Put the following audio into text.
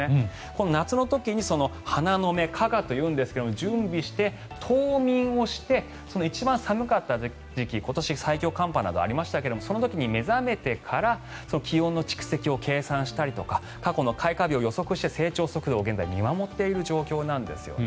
夏の時に花の芽花芽というんですが準備して、冬眠をして一番寒かった時期今年最強寒波などがありましたがその時に目覚めてから気温の蓄積を計算したりとか過去の開花日を計算して成長速度を現在見守っている状況なんですよね。